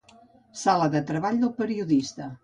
Sala de treball del periodista.